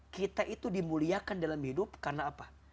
kita itu dimuliakan dalam hidup karena apa